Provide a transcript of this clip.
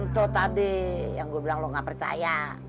tau tadi yang gua bilang lo gak percaya